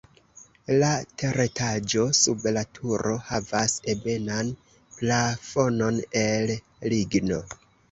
La teretaĝo sub la turo havas ebenan plafonon el ligno.